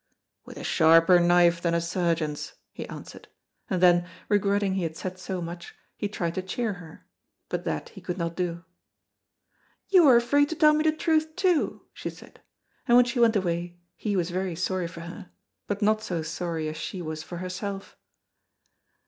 "With a sharper knife than a surgeon's," he answered, and then, regretting he had said so much, he tried to cheer her. But that he could not do. "You are afraid to tell me the truth too," she said, and when she went away he was very sorry for her, but not so sorry as she was for herself.